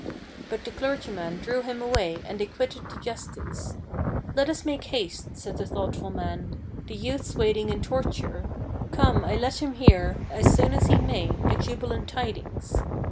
But the clergyman drew him away, and they quitted the justice. "Let us make haste," said the thoughtful man: "the youth's waiting in torture; Come I let him hear, as soon as he may, the jubilant tidings."